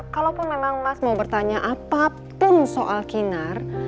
kalaupun memang mas mau bertanya apapun soal kinar